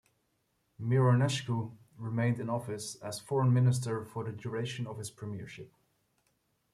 Mironescu remained in office as Foreign Minister for the duration of his premiership.